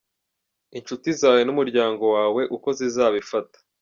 Inshuti zawe n’umuryango wawe uko zizabifata.